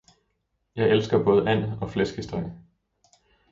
Jeg elsker både and og flæskesteg.